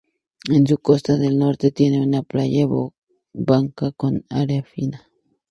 En su costa del norte, tiene una playa blanca con arena fina.